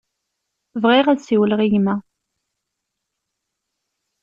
Bɣiɣ ad siwleɣ i gma.